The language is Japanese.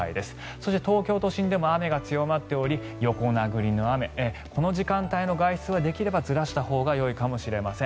そして、東京都心でも雨が強まっており横殴りの雨この時間帯の外出はできればずらしたほうがよいかもしれません。